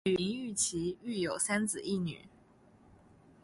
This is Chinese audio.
与林堉琪育有三子一女。